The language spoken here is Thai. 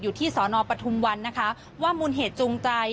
อยู่ที่สอนอปฐุมวันนะคะว่ามูลเหตุจูงใจ